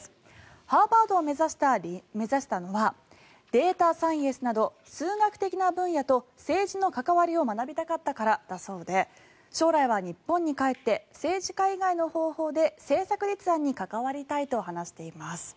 ハーバードを目指したのはデータサイエンスなど数学的な分野と政治の関わりを学びたかったからだそうで将来は日本に帰って政治家以外の方法で政策立案に関わりたいと話しています。